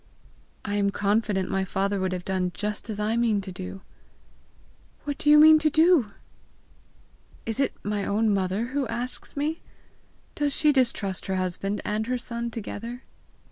"I am confident my father would have done just as I mean to do!" "What do you mean to do?" "Is it my own mother asks me? Does she distrust her husband and her son together?"